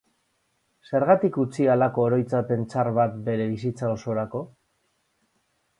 Zergatik utzi halako oroitzapen txar bat bere bizitza osorako?